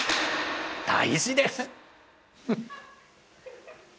大事です！